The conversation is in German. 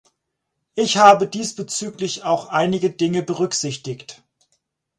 Ich habe diesbezüglich auch einige Dinge berücksichtigt.